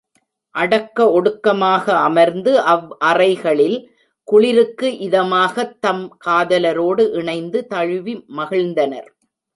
அடக்க ஒடுக்கமாக அமர்ந்து அவ்அறைகளில் குளிருக்கு இதமாகத் தம் காதலரோடு இணைந்து தழுவி மகிழ்ந்தனர்.